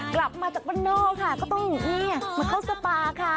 กลับมาจากบ้านนอกค่ะก็ต้องมาเข้าสปาค่ะ